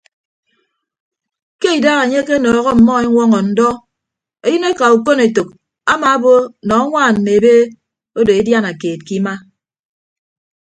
Ke idaha enye akenọọhọ ọmmọ eñwọñọ ndọ eyịneka okon etәk amaabo nọ añwaan mme ebe odo ediana keed ke ima.